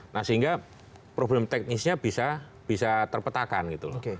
nah sehingga problem teknisnya bisa terpetakan gitu loh